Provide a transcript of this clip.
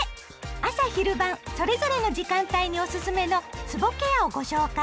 朝・昼・晩それぞれの時間帯におすすめのつぼケアをご紹介。